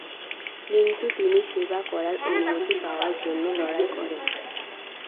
কিন্তু তিনি সেবা করার অনুমতি পাওয়ার জন্য লড়াই করেন।